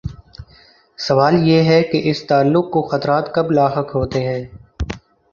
سوال یہ ہے کہ اس تعلق کو خطرات کب لاحق ہوتے ہیں؟